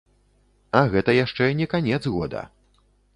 А гэта яшчэ не канец года.